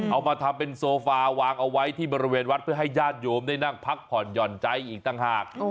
เอามาทำเป็นโซฟาวางเอาไว้ที่บริเวณวัดเพื่อให้ญาติโยมได้นั่งพักผ่อนหย่อนใจอีกต่างหาก